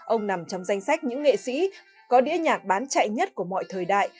ông nằm trong danh sách những nghệ sĩ có đĩa nhạc bán chạy nhất của mọi thời đại